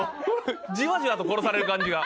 じわじわと殺される感じが。